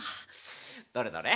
どれどれ？